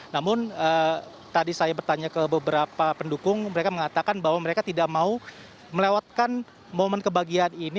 namun tadi saya bertanya ke beberapa pendukung mereka mengatakan bahwa mereka tidak mau melewatkan momen kebahagiaan ini